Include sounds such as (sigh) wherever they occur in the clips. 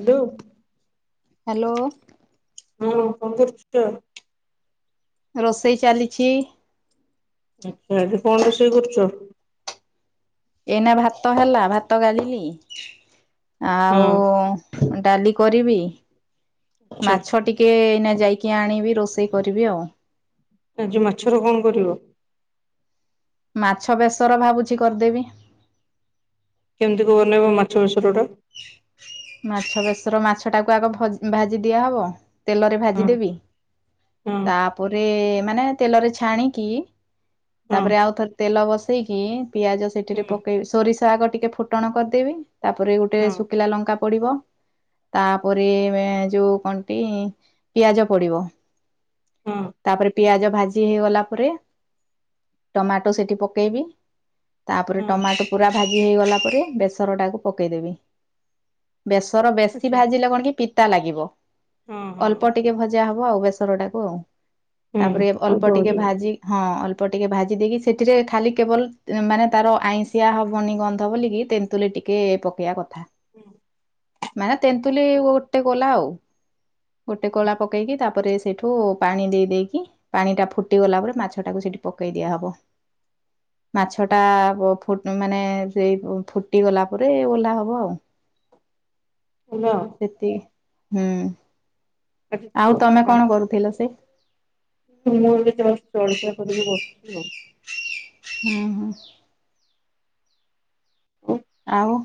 Hello. Hello. ହଁ କଣ କରୁଚ? ରୋଷେଇ ଚାଲିଚି। ଆଚ୍ଛା, ଏବେ କଣ ରୋଷେଇ କରୁଚ? ଏଇନା ଭାତ ହେଲା ଭାତ ଗାଳିଲି, ହଁ ଆଉ ଆଚ୍ଛା ଡାଲି କରିବି, ମାଛ ଟି କିଏ ଏଇନା ଯାଇକି ଆଣିବି, ରୋଷେଇ କରିବି ଆଉ। ଆଜି ମାଛର କଣ କରିବ? ମାଛ ବେସର ଭାବୁଛି କରିଦେବି। କେମ୍ତି କ ବନେଇବ ମାଛ ବେସର ଟା? ମାଛ ବେସର ମାଛଟାକୁ ଆଗ ଭାଜି ଦିଆହବ। ତେଲରେ ହଁ ଭାଜିଦେବି, ହଁ ତାପରେ ମାନେ ତେଲରେ ଛାଣିକି ହଁ ତାପରେ ଆଉଥରେ ତେଲ ବସେଇକି ପିଆଜ ସେଠିରେ ହୁଁ ପ କେଇବି, ସୋରିଷ ଆଗ ଟିକେ ଫୁଟଣ କରିଦେବି ତାପରେ ଗୋଟେ ହଁ ଶୁକିଲା ଲଙ୍କା ପଡିବ। ତାପରେ ଯୋଉ କନ୍ଟି ପିଆଜ ପଡିବ। ହଁ ତାପରେ ପିଆଜ ଭାଜି ହେଇଗଲା ପରେ, ଟମାଟୋ ସେଠି ପକେଇବି। ତାପରେ ହଁ ଟମାଟୋ ପୁରା ଭାଜି ହେଇଗଲା ପରେ, ବେସର ଟାକୁ ପକେଇଦେବି। ବେସର ବେଶୀ ଆଚ୍ଛା ଭାଜିଲେ କଣ କି ପିତା ଲାଗିବ, ହଁ ହଁ ଅଳ୍ପ ଟିକେ ଭ ଜା ହବ ଆଉ ବେସର ଟାକୁ ଆଉ, ହୁଁ ତାପରେ ଅଳ୍ପ ଅଛି ଟିକେ ଭାଜି ହଁ ଅଳ୍ପ ଟିକେ ଭାଜି ଦେଇକି ସେଠିରେ ଖାଲି କେବଲ୍ ମାନେ ତାର ଆଇଁସିିଆ ହବନି ଗନ୍ଧ ବୋଲିକି ତେନ୍ ତୁଲୀ ଟିକେ ପକେଇଆ କଥା। ହୁଁ! ମାନେ ତେନ୍ତୁଲି ଗୋଟେ ଗୋଲା ଆଉ। ଗୋଟେ କୋଳା ପକେଇକି ତାପରେ ସେଇଠୁ ପାଣି ଦେଇ ଦେଇକି ପାଣି ଟା ଫୁଟିଗଲା ପରେ ମାଛଟାକୁ ସେଠି ପକେଇ ଦିଆହବ। ମାଛଟା ଫୁ ମାନେ ସେଇ ଫୁଟିଗଲା ପରେ ଓହ୍ଲା ହବ ଆଉ। ହେଲ ସେତିକି ହୁଁ ଆଜି ଆଉ ତମେ ତ କଣ କରୁଥିଲ ସେ? (unintelligible) ହୁଁ ହୁଁ। (inaudible) ଆଉ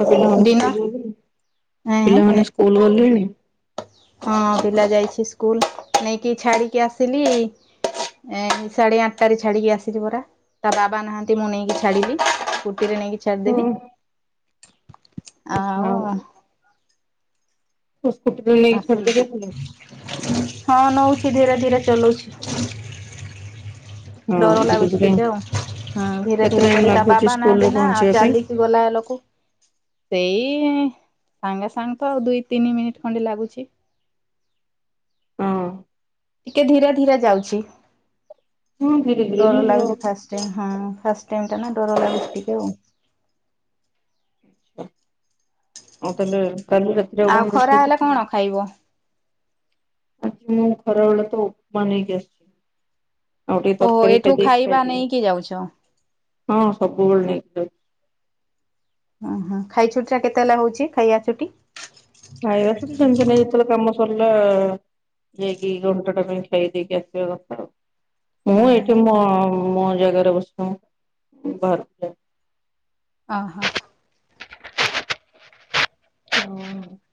ଆ ପିଲାମାନେ ଦିନ ସ୍କୁଲ ଗଲେଣି ହଁ ପିଲାମାନେମାନେ ସ୍କୁଲ ଗଲେଣି? ହଁ ପିଲା ଯାଇଛି ସ୍କୁଲ ନେଇକି ଛାଡ଼ିକି ଆସିଲି ଏ ସାଢେ ଆଠଟା ରେ ଛାଡିକି ଆସିଛି ପରା। ତା ବାବା ନାହାନ୍ତି ମୁଁ ନେଇକି ଛାଡିଲି। ସ୍କୁଟି ରେ ନେଇକି ହଁ ଛାଡିଦେଲିି ଆଉ (unintelligible) ଦେଇକି ଆସିଲେ? ଆସିଲୁ ହଁ ନଉଛି ଧୀରେ ଧୀରେ ଚଲଉଛି। ହଁ ଡର ଧୀରେ ଲାଗୁଛି ଧୀରେ ଟିକେ। ହୁଁ ଧୀରେ କେତେ ଧୀରେ ଟାଇମ୍ କରି ତା ଲାଗୁଛି ବାବା ସ୍କୁଲରେ ନାହାନ୍ତି ନା ଆଉ ପହଞ୍ଚିବା ପାଇଁ? ଚାଲିକି ଗଲା ଲୋକ ସେଇ ସାଙ୍ଗେ ସାଙ୍ଗେ ତ ଦୁଇ ତିନି ମିନିଟ ଖଣ୍ଡେ ଲାଗୁଛି। ହଁ ଟିକେ ଧୀରା ଧିରା ଯାଉଛି। ହଁ ଧୀରେ ଧୀରେ ଡର ହିଁ ଯିବ। ଲାଗୁଛି ଫାଷ୍ଟ ହଁ ଫାଷ୍ଟ ଟାଇମ୍ ଟା ନା ଡର ଲାଗୁଛି ଟିକେ ଆଉ। ଆଛା ଆଉ ତାହେଲେ କାଲି ରାତିରେ ଆଉ କଣ ଖରା ରୋଷେଇ ହେଲେ କଣ କରିଥିଲ? ଖାଇବ? ଆଜି ମୁଁ ଖରା ବେଳେ ତ ଔପମା ନେଇକି ଆସିଛି। ଆଉ ଟିକେ ଓହୋ ତରକାରୀ କେ ଏଠୁ ଖାଇବା ନେଇକି ଯାଉଛ ଖାଇଥିବ ହଁ ସବୁବେଳେ ନେଇକି (unintelligible) ଓହୋ ଖାଇ ଛୁଟି ଟା କେତେ ହେଲା ହଉଛି ଖାଇବା ଛୁଟି? ଖାଇବାସୁ ସେମିତି ନାଇଁ ଯେତେଳେ କାମ ସରିଲା ଯାଇକି ଘଣ୍ଟ ଟା ପାଇଁ ଖାଇ ଦେଇକି ଆସିବା କଥା। ମୁଁ ହଁ ହଁ ଏଇଠି ମ ମୋ ଜାଗାରେ ବସି ବାହାର ଅ ହଁ। ଆଉ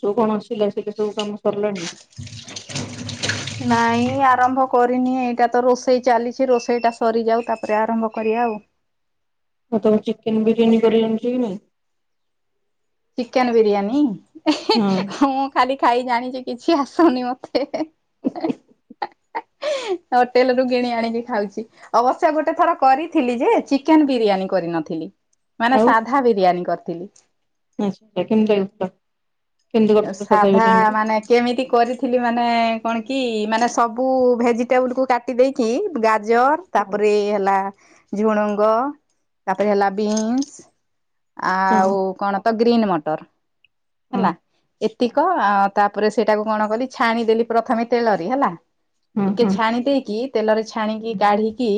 ସବୁ କଣ ସିଲା ସିଲି ସବୁ କାମ ସରିଲାଣି? (inaudible) (inaudible) ନାଇଁ ଆରମ୍ଭ କରିନି ଏଇଟା ତ ରୋଷେଇ ଚାଲିଛି ରୋଷେଇଟା ସରିଯାଉ ତାପରେ ଆରମ୍ଭ କରିବା ଆଉ। ଆଉ ତମେ ଚିକେନ ବିରିୟାନୀ କରି ଆଣିଛି କି ନାଇଁ? ଚିକେନ ବିରିୟାନୀ? ହଁ ହ ଖାଲି ଖାଇ ଜାଣିଛେ କିଛି ଆସୁନି ମତେ। ହୋଟେଲ ରୁ କିଣି ଆଣିକି ଖାଉଛି। ଅବଶ୍ୟ ଗୋଟେ ଥର କରିଥିଲି ଯେ ଚିକେନ ବିରିୟାନୀ କରିନଥିଲି। ମାନେ ସାଧା ବିରିୟାନୀ କରିଥିଲି। ଆଛା ଆଛା କେମିତି ଲ (unintelligible) କେମିତି କରି ସାଧା ସରି ମାନେ କେମିତି କରିଥିଲି ମାନେ କଣ କି ମାନେ ସବୁ ଭେଜିଟେବୁଲ୍ କାଟି ଦେଇେଇକି। ଗାଜର ହଁ ତାପରେ ହେଲା ଝୁଣଙ୍ଗ ତାପରେ ହେଲା ବିନ୍ସ ହଁ ଆଉ କଣ ତ ଗ୍ରୀନ୍ ମଟର ହଁ ହେଲା। ଏତିକ ଆ ତାପରେ ସେଇଟାକୁ କଣ କଲି ଛାଣିଦେଲି ପ୍ରଥମେ ତେଲରେ ହେଲା। ହଁ ଟିକେ ହଁ ଛାଣି ଦେଇକି ତେଲରେ ଛାଣିକି କାଢିକି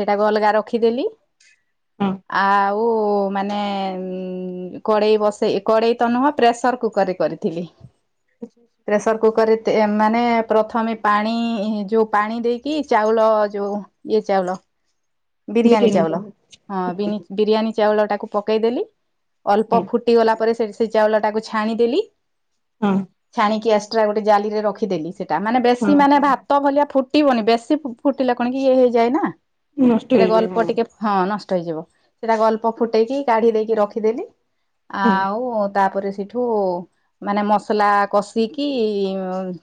ସେଇଟାକୁ ଅଲଗା ରଖିଦେଲି। ହଁ ଆଉ ମାନେ କଦେଇ ବସେଇ କଡ଼େଇ ତ ନୁହ ପ୍ରେସର କୁକରରେ କରିଥିଲି। ଆ (inaudible) ପ୍ରେସର କୁକରରେ ମାନେ ପ୍ରଥମେ ପାଣି ଯେଉ ପାଣି ଦେଇକି ଚାଉଳ ଯୋଉ ଇଏ ଚାଉଳ। ବିରିୟାନୀ ଚାଉଳ ହଁ ବିରିୟାନୀ ଚାଉଳ ଟାକୁ ପକେଇଦେଲି ଅଳ୍ପ ହଁ ଫୁ ଫୁଟି ଗଲା ପରେ ସେ ସେ ଚାଉଳ ଟାକୁ ଛାଣିଦେଲି। ହଁ। ଛାଣିକି ଏକ୍ସଟ୍ରା ଗୋଟେ ଜାଲିରେ ରଖିଦେଲି ସେଟା ମାନେ ବେଶୀ ହଁ ମାନେ ହଁ ଭାତ ଭଳିଆ ଫୁ ଫୁଟିବନି ବେଶୀ ଫୁଟିଲା କଣ କି ଇଏ ହେଇଯାଏ ନା। ନଷ୍ଟ ସେଟା ହେଇଯିବ ଗଳ୍ପ ଟିକେ ହଁ ନଷ୍ଟ ହେଇଯିବ ସେଟା ଗଳ୍ପ ଫୁଟେଇକି କାଢି ଦେଇକି ରଖିଦେଲି। ଆଉ ତାପରେ ସେଠୁ ମାନେ ମସଲା କଷିକି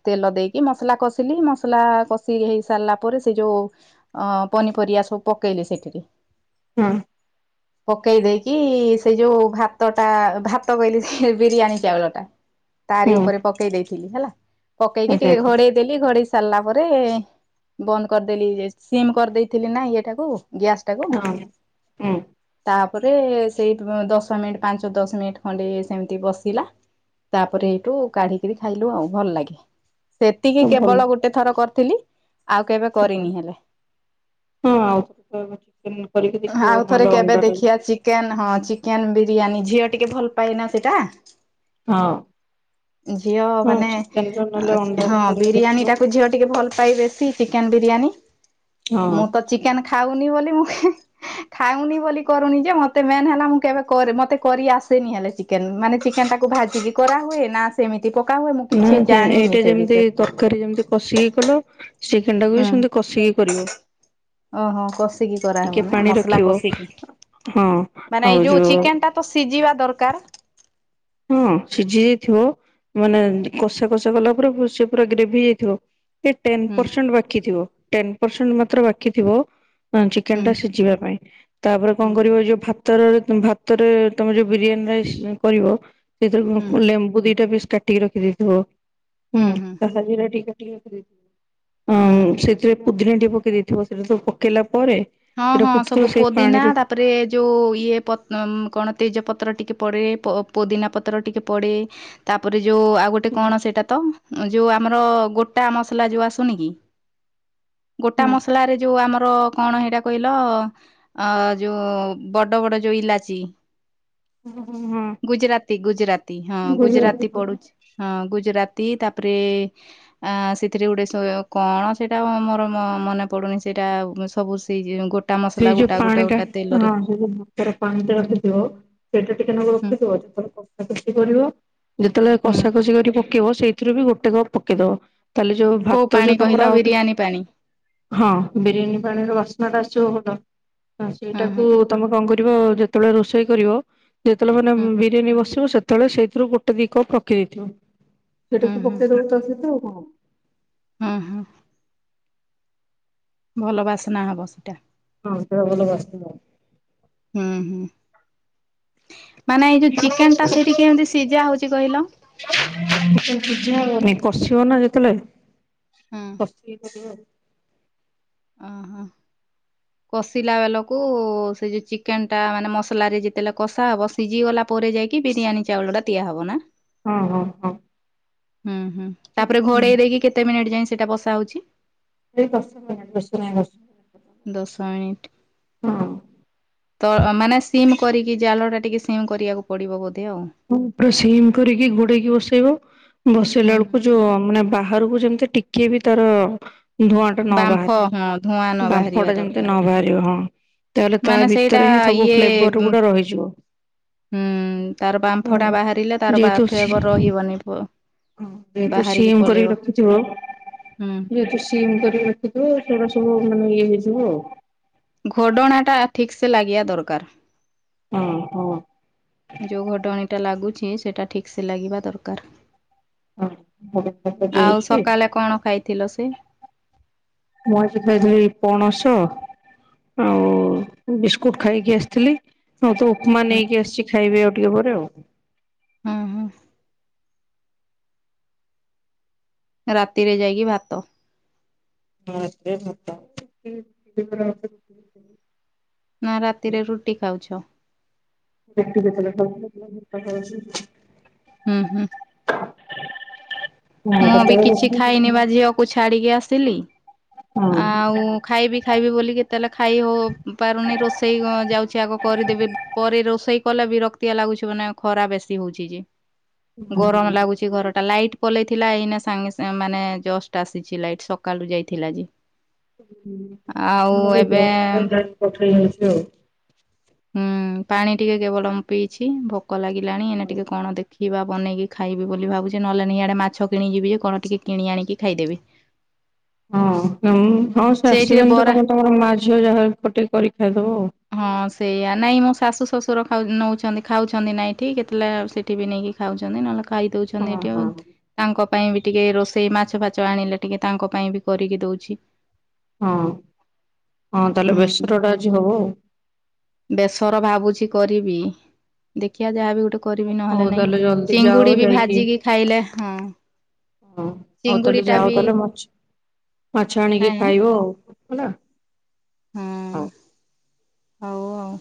ତେଲ ଦେଇକି ମସଲା କଷିକି ମସଲା କ ସି ହେଇ ସାରିଲା ପରେ ସେ ଯୋଉ ଅ ପନିପରିବା ସବୁ ପକେଇଲି ସେଇଠି। ହଁ। (inaudible) ପକେଇ ଦେଇକି ସେଇ ଯୋଉ ଭାତଟା ଭାତ କହିଲି ସେ ବିରିୟାନୀ ଚାଉଳ ଟା। ତାରି ହଁ ହଁ ଉପରେ ପକେଇ ଦେଇଥିଲି ହେଲା ପକେଇକି ଆଚ୍ଛା ଟିକେ ଆଚ୍ଛା ଘୋଡେଇ ଦେଲି ଘଡି ସାରିଲା ପରେ ବନ୍ଦ କରିଦେଲି ସିମ୍ କରିଦେଇଥିଲି ନା ଇଏ ଟାକୁ। ଗ୍ୟାସ୍ ଟାକୁ ହଁ ହୁଁ ତାପରେ ସେଇ ଦଶ ମିନିଟ୍, ପାଞ୍ଚ, ଦଶ ମିନିଟ୍ ଖଣ୍ଡେ ସେମିତି ବସିଲା। ତାପରେ ଏଇଠୁ କାଢିକିରି ଖାଇଲୁ ଆଉ ଭଲ ଲାଗେ। ସେତିକି ସବୁ ଭଲ କେବଳ ଗୋଟେ ଥର କରିଥିଲି ଆଉ କେବେ କରିନି ହେଲେ। ହୁଁ ଆଉ କରିକି ଦେଖିବ ନହେଲେ ଅଣ୍ଡା। କେନ୍ ହଁ ଚିକେନ ବିରିୟାନୀ ଝିଅ ଟିକେ ଭଲ ପାଏନା ସେଇଟା। ହଁ। ଝିଅ ହଁ ମାନେ ଚିକେନ ର ନହେଲେ ହଁ ଅଣ୍ଡାର କରିକି ବିରିୟାନୀ ଦେଖିବ ଟାକୁ ଝିଅ ଟିକେ ଭଲ ପାଏବେଶି ଚିକେନ ବିରିୟାନୀ। ହଁ। ମୁଁ ତ ଚିକେନ ଖାଉନି ବୋଲି ମୁ ଖାଉନି ବୋଲି କରୁନି ଯେ ମତେ ମେନ୍ ହେଲା ମୁଁ କେବେ କରେ ମତେ କରି ଆସେନି ହେଲେ ଚି କେନ୍ ମାନେ ଚିକେନ୍ ଟାକୁ ଭାଜିକି କରାହୁଏ ନା ସେମିତି ପକା ହୁଏ ମୁଁ କିଛି ଜାଣିନି ସେଇ ବିଷୟରେ। କାରି ଯେମିତି କଷିକି କଲୁ ଚିକେନ୍ ଟାକୁ ବି ହୁଁ। ସେମତି କଷିକି କରିବ। ଓହୋ କଷିକି ଟିକେ କରାହେବ ନା ପାଣି ମସଲା ରଖିବ କଷିକି ହଁ ମାନେ ଏଇ ଯୋଉ ଚିକେନ ଟା ତ ସିଝିବା ଦରକାର୍। ହୁଁ ସିଝି ଯାଇଥିବ ମାନେ କଷା କଷା କଲା ପରେ ଭଲ୍ ସେ ପୁରା ଗ୍ରେଭି ହେଇ ଯାଇଥିବ। ଏ ଟେନ୍ ହୁଁ ପରସେଣ୍ଟ୍ ବାକି ଥିବ ଟେନ୍ ପରସେଣ୍ଟ ମାତ୍ର ବାକି ଥିବ। ହଁ ଚିକେନ୍ ହୁଁ ଟା ସିଝିବା ପାଇଁ ତାପରେ ହୁଁ କଣ କରିବ ଯୋଉ ଭା ତରରେ ଭାତରେ ତମେ ଯୋଉ ବିରିୟାନୀ ରାଇସ୍ କରିବ ସେଇଥିରୁ ହୁଁ କ ଲେମ୍ବୁ ଦିଟା ପିସ୍ କାଟିକି ରଖିଦେଇଥିବ। ହୁଁ ଧଳା ଜିରା ଟିକେ ସେଥିରେ ହୁଁ। ହଁ ସେଥିରେ ପୁଦିନାଟା ଟିକେ ପକେଇ ଦେଇଥିବ ସେଟା ସବୁ ପକେଇଲା ପରେ ହଁ ସେଟା ହଁ ସବୁ ଫୁଟୁଥିବ ସେଇ ପୋଦିନା ପାଣିରୁ ତାପରେ ଯେଉଁ ଇଏ କଣ ତେଜପତ୍ର ଟିକେ ପଡ଼େ ପୋଦିନା ପତ୍ର ଟିକେ ପଡ଼େ। ତାପରେ ଯୋଉ ଆଉ ଗୋ ଗୋଟେ କଣ ସେଇଟା ତ ଯୋଉ ଆମର ଗୋଟା ମସଲା ଯୋଉ ଆସୁନି କି। ଗୋଟା ହଁ ମସଲାରେ ଯୋଉ ଆମର କଣ ହେଇଟା କହିଲ ଅ, ଯୋଉ ବଡ ବଡ ଯୋଉ ଇଲାଚି ଓ ହଁ, ହଁ। ଗୁଜୁରାତି ଗୁଜୁରାତି ହଁ ଗୁଜୁରାତି ବୁଝିପାରୁଛ ପଡୁଛି ହଁ ଗୁଜୁରାତି ତାପରେ ଅଁ, ସେଥିରେ ଗୋଟେ ସେ କଣ ସେଇଟା ମୋର ମ-ମନେ ପଡୁନି ସେଇଟା ଆଉ ମୁ ସବୁ ଦେଇଚି ତାଙ୍କ ସେଇ ଯୋଉ ପାଣି ଟା ହଁ ସେଇ ଯୋଉ ବ ତାର ପାଣିଟା ରଖିଥିବ, ସେଇଟା ଟିକେ ନାକୁ ରଖିଥିବ ପେକେଟ କି ଜରି ର ଯେତେବେଳେ ହୁଁ କଷାକଷି କରି ପକେଇବ ସେଇଥିରୁ ବି ଗୋଟେ କପ୍ ପକେଇଦବ। ତାହେଲେ ଯୋଉ କୋଉ ଭାତ ପାଣି ଯୋଉ କହିଲ ତୋମର ଆଉ ଟି ବିରିୟାନୀ ପାଣି ହଁ ବିରିୟାନୀ ପାଣିର ବାସ୍ନାଟା ଆସିବ ଭଲ, ତ ହୁଁ ହୁଁ ସେଇଟାକୁ ତୋମେ କଣ କରିବ ଯେ ତେବେଳେ ରୋଷେଇ କରିବ ଯେତେବେଳେ ମାନେ ହୁଁ ଉଁ, ବିରିୟାନୀ ବସିବ ସେ ତେବେଳେ ସେଇଥିରୁ ଗୋଟେ ଦି କପ୍ ପକେଇ ଥିବ, ହୁଁ ସେଇଟାକୁ ପକେଇଦେବେ ତା ଦେହରେ ଆଉ କଣ। ହଁ, ହଁ। ଭଲ ବାସ୍ନା ହବ ସେଟା। ହଁ ସେ ଭଲ ବାସ୍ନା ଦବ। ହୁଁ, ହୁଁ ମାନେ ଏଇ ଯୋଉ ଚିକେନ୍ ଟା ସେଇଠି କେମିତି ସିଝା ହଉଛି କହିଲ? ନେ-କଷିବ ନା ଯେତେଳେ ହଁ। କଷିକି କରିବ ଆଉ। ଅଁ, ହଁ। କଷିଲା ବେଲକୁ ସେ ଯୋଉ ଚିକେନ୍ ଟା ମାନେ ମସଲାରେ ଯେତେଲଃ କଷାହବ ସିଜିଗଲା ପରେ ଯାଇକି ବିରିୟାନୀ ଚାଉଳଟା ଦିଆହବ ନା? ହଁ, ହଁ, ହଁ। ହୁଁ, ହୁଁ ତାପରେ ଘୋଡେଇ ଦେଇକି କେତେ ମିନିଟ୍ ଯାଏ ସେଇଟା ବସା ହଉଛି? ଏଇ ଦଶ ମିନିଟ୍ (inaudible) ଦଶ ମିନିଟ୍। ହଁ। ତ ଆ, ମାନେ ସିମ୍ କରିକି ଜାଲଟା ଟିକେ ସିମ୍ କରିବାକୁ ପଡିବ ବୋଧେ ଆଉ? (unintelligible) ପୁରା ସିମ୍ କରିକି ଘୋଡେଇକି ବସେଇବ, ହୁଁ ବସେଇଲା ବେଳକୁ ଯୋଉ ମାନେ ବାହାରକୁ ଯେମ ତ ଟିକେ ବି ତାର ଧୂଆଁଟା ନ ବାମ୍ଫ ବାହାରେ, ହଁ ଧୂଆଁ ନ ବାହାରିବା ବାମ୍ଫଟା ଯେମିତି ଦରକାର ନ ବାହାରିବ ହଁ। ତାହେଲେ ତା ମାନେ ସେଇଟା ଭିତରେ ହିଁ ସବୁ ଫ୍ଲେବର୍ ଗୁଡା ରହିଯିବ। ହୁଁ, ତାର ବାମ୍ଫଟା ବାହାରିଲେ ତାର ଯେହେତୁ ସି ବା-ଫେବର ରହିବନି ପ ଯେହେତୁ ସିମ୍ କରିକି ରଖିଥିବ, ହୁଁ ଯେହେତୁ ସି ସିମ୍ କରିକି ରଖିଥିବ, ସେଗୁଡା ସବୁ ମାନେ ଇଏ ହେଇଯିବ ଆଉ। ଘୋଡଣାଟା ଠିକ୍ ସେ ଲାଗିବା ଦରକାର। ହଁ, ହଁ। ଯୋଉ ଘୋଡଣିଟା ଲାଗୁଛି ସେଟା ଠିକ୍ ସେ ଲାଗିବା ଦରକାର। ହଁ ହଁ ଆଉ ଦେଇଛି ସକାଳେ କଣ ଖାଇଥିଲ ସେ? ମୋ (inaudible) ପଣସ। ଆଉ ବିସ୍କୁଟ୍ ଖାଇକି ଆସିଥିଲି, ଆଉ ତ ମା ହୁଁ ନେଇକି ଆସିଛି ଖାଇବେ ଆଉ ଟିକେ ପରେ ଆଉ। ଅଁ, ହଁ। ରାତିରେ ଯାଇକି ଭାତ। ହଁ ରାତିରେ ଭାତ। (inaudible) ନା ରାତିରେ ରୁଟି ଖାଉଛ? (unintelligible) ହୁଁ ହୁଁ। ହଁ ମୁଁବି ହଁ କିଛି ଖାଇନିବା ଝିଅକୁ ଛାଡ଼ିକି ଆସିଲି ଆଉ ଖାଇବି ଖାଇବି ବୋଲି କେତେବେଳେ ଖାଇ ହଉ ପାରୁନି ରୋଷେଇ ଗ ଯାଉଚି ଆଗ କରିଦେବି। ପରେ ରୋଷେଇ କଲେ ବିରକ୍ତିଆ ଲାଗୁଛି ମାନେ ଖରା ବେଶୀ ହଉଛି ଯେ। ଗରମ ଲାଗୁଚି ଘରଟା ଲାଇଟ୍ ପଲେଇ ଥିଲା ଏଇନା ସାଙ୍ଗେ ସାଙ୍ଗେ ମାନେ ଜଷ୍ଟ ଆସିଛି ଲାଇଟ୍ ସକାଲୁ ଯାଇଥିଲା ଯେ। ଆଉ ହୁଁ ଏବେ (unintelligible) ଲାଇନ୍ କାଟି ହେଇଚି ଆଉ। ହୁଁ ପାଣି ଟିକେ କେବଳ ମୁପିଇଛି ଭୋକ ଲାଗିଲାଣି ଏନା ଟିକେ କଣ ଦେ ଖିୟୱା ବନେଇକି ଖାଇବି ବୋଲି ଭାବୁଚି ନହଲେ ନିଆଡ଼େ ମାଛ କିଣି ଯିବି କଣ ଟିକେ କିଣି ଆଣିକି ଖାଇଦେବି। ହଁ ଉଁ ହଁ ସେ ସେଇଥିରେ ଆସିବେନିତ ବରା ତମେ ତମର ମାଝିଅ ଯାହା ପଟେ କରି ଖାଇଦବ ଆଉ। ହଁ ସେଇଆ ନାଇଁ ମୋ ଶାଶୁ ଶଶୁର ଖାଉ ନଉଛନ୍ତି ଖାଉଛନ୍ତି ନାଇଁଠି କେତେବେଳେ ସେଠିବି ନେଇକି ଖାଉଛନ୍ତି ନହେଲେ ଖାଇଦଉଛନ୍ତି ହଁ ଏଠି ଆ ହଁ। ତାଙ୍କ ପାଇଁବି ଟିକେ ରୋଷେଇ ମାଛ ଫାଛ ଆଣିଲେ ଟିକେ ତାଙ୍କ ପାଇଁବି କରିକି ଦଉଛି। ହଁ ହଁ ତାହେଲେ ହୁଁ। ବେସରଟା ଆଜି ହବ ଆଉ। ବେସର ଭାବୁଛି କରିବି ଦେଖିବା ଯାହାବି ଗୋଟେ କରିବି ହଉ ନହେଲେ ନାଇଁ ତାହେଲେ ଜଲ୍ଦି ଯାଅ ଚିଙ୍ଗୁଡ଼ିବି ଯାଇକି ଭାଜିକି ଖାଇଲା ହଁ। ହଁ ହଉ ଚିଙ୍ଗୁଡି ତାହେଲେ ଟା ଯାଅ ବି ତାହେଲେ ମାଛ ମାଛ ଆଣିକି ଖାଇବ ଆଉ ହେଲା। ହଉ। ହୁଁ ହଉ ଆଉ।